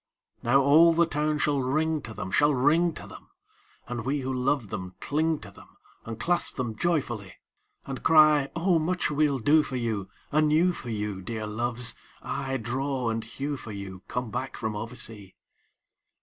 II Now all the town shall ring to them, Shall ring to them, And we who love them cling to them And clasp them joyfully; And cry, "O much we'll do for you Anew for you, Dear Loves!—aye, draw and hew for you, Come back from oversea."